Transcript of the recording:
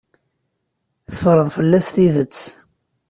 Teffreḍ fell-as tidet.